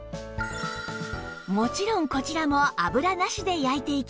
もちろんこちらも油なしで焼いていきます